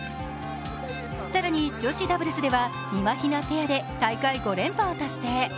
更に女子ダブルスではみまひなペアで大会５連覇を達成。